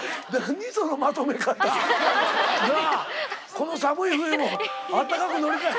この寒い冬もあったかく乗り切れ。